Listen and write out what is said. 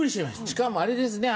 しかもあれですね